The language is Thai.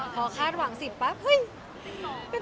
พอคาดหวัง๑๐ล้านปุ๊บ